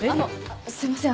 すいません